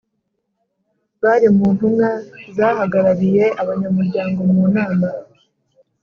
Bari mu ntumwa zahagarariye abanyamuryango mu nama